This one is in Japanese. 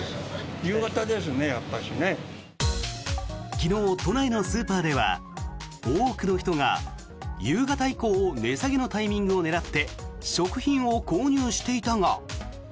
昨日、都内のスーパーでは多くの人が夕方以降の値下げのタイミングを狙って食品を購入していたが。